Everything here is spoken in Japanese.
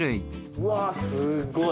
うわっすっごい。